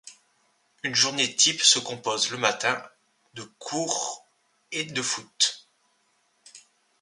Une journée type se compose le matin de de cours et de foot.